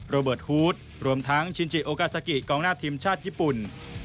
โรเบิร์ตฮูดรวมทั้งชินจิโอกาซากิกองหน้าทีมชาติญี่ปุ่น